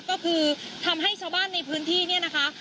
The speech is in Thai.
ก็คือทำให้ชาวบ้านในพื้นที่เนี่ยนะคะ